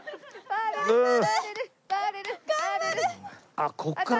あっここから。